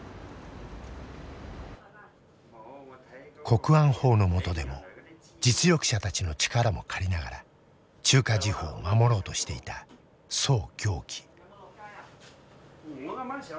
国安法のもとでも実力者たちの力も借りながら中華時報を守ろうとしていた曽暁輝。